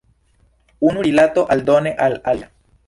Unu rilato aldone al alia.